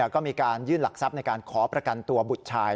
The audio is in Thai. ก็มีการยื่นหลักทรัพย์ในการขอประกันตัวบุตรชาย